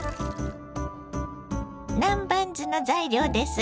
南蛮酢の材料です。